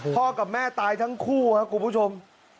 กับแม่ตายทั้งคู่ครับคุณผู้ชม